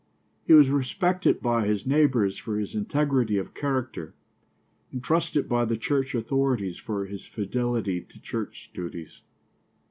He was respected by his neighbors for his integrity of character, and trusted by the church authorities for his fidelity to church duties.